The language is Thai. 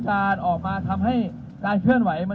เพราะฉะนั้นสิ่งที่เราจะสื่อสารวันนี้เราสื่อสารกับเพื่อนของพวกเรา